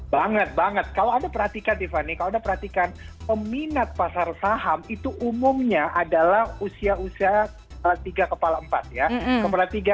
banget banget kalau anda perhatikan tiffany kalau anda perhatikan peminat pasar saham itu umumnya adalah usia usia tiga kepala empat ya